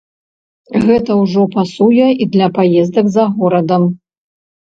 Гэта ўжо пасуе і для паездак за горадам.